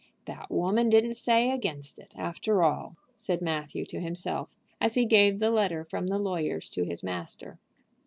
"That woman didn't say against it, after all," said Matthew to himself as he gave the letter from the lawyers to his master.